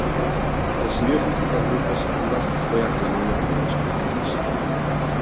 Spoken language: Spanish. Recibió críticas muy positivas y fue aclamado por los críticos.